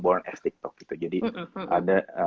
beras tiktok gitu jadi ada